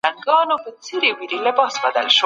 کوم مهارتونه وده کوي؟